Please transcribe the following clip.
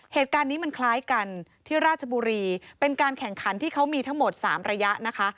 เหตุการณ์นี้มันคล้ายกันที่ราชบุรีเป็นการแข่งขันที่เขามีทั้งหมด๓ระยะนะคะ